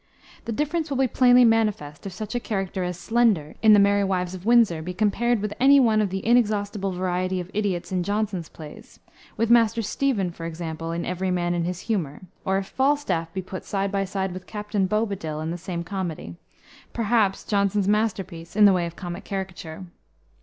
The difference will be plainly manifest if such a character as Slender, in the Merry Wives of Windsor, be compared with any one of the inexhaustible variety of idiots in Jonson's plays; with Master Stephen, for example, in Every Man in his Humor; or, if Falstaff be put side by side with Captain Bobadil, in the same comedy, perhaps Jonson's masterpiece in the way of comic caricature.